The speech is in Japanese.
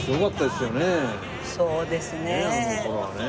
そうですね。